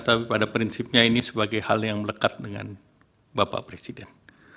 tapi pada prinsipnya ini sebagai hal yang melekat dengan bapak presiden